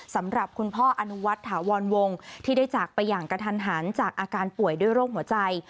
สำหรับคุณพ่ออนุวัฒน์ถาวรวงที่ได้จากไปอย่างกระทันหันจากอาการป่วยด้วยโรคหัวใจ